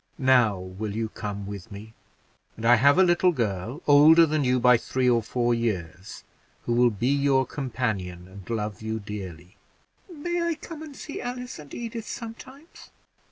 Now, will you come with me? and I have a little girl, older than you by three or four years, who will be your companion, and love you dearly." "May I come and see Alice and Edith sometimes?"